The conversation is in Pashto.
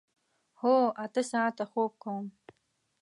هو، اته ساعته خوب کوم